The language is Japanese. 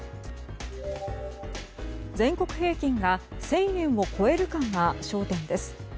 全国平均が１０００円を超えるかが焦点です。